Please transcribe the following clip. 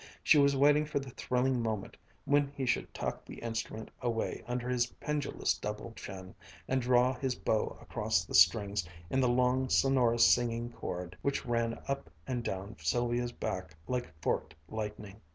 She was waiting for the thrilling moment when he should tuck the instrument away under his pendulous double chin and draw his bow across the strings in the long sonorous singing chord, which ran up and down Sylvia's back like forked lightning.